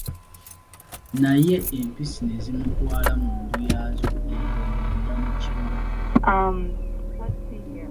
Naye Empisi ne zimutwala mu nju yaazo eyo munda mu kibira.